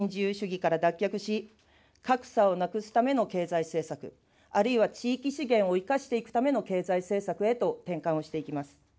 そして、新自由主義から脱却し、格差をなくすための経済政策、あるいは地域資源を生かしていくための経済政策へと転換をしていきます。